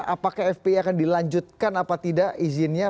apakah fpi akan dilanjutkan apa tidak izinnya